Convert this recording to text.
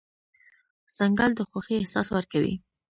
ځنګل د خوښۍ احساس ورکوي.